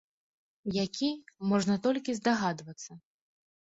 Які, можна толькі здагадвацца.